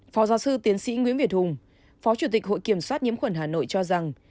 phó giáo sư tiến sĩ nguyễn việt hùng phó chủ tịch hội kiểm soát nhiễm khuẩn hà nội cho rằng